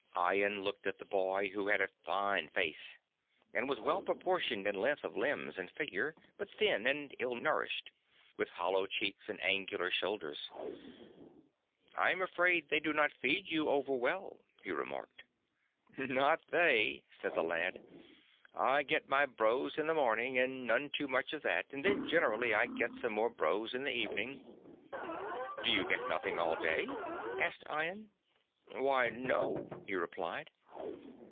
Ian looked at the boy, who had a fine face and was well proportioned in length of limbs and figure, but thin and ill nourished, with hollow cheeks and angular shoulders. "I am afraid they do not feed you over well," he remarked. "Not they," said the lad, "I get my brose in the morning and none too much of that and then generally I get some more brose in the evening." "Do you get nothing all day?" said Ian. "Why, no," he replied.